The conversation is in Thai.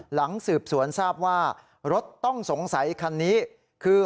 หลังสืบสวนทราบว่ารถต้องสงสัยคันนี้คือ